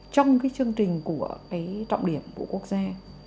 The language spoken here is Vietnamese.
trong chương trình của trọng điểm của quốc gia